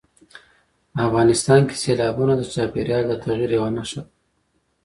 افغانستان کې سیلابونه د چاپېریال د تغیر یوه نښه ده.